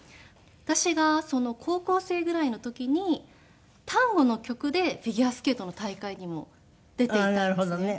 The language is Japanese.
私が高校生ぐらいの時にタンゴの曲でフィギュアスケートの大会にも出ていたんですね。